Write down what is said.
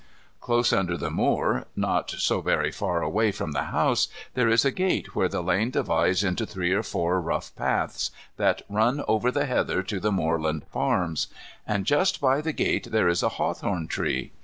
Close under the moor, not so very far away from the house, there is a gate where the lane divides into three or four rough paths that run over the heather to the moorland farms. And just by the gate there is a hawthorn tree.